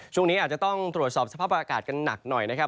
ช่วงนี้อาจจะต้องตรวจสอบสภาพอากาศกันหนักหน่อยนะครับ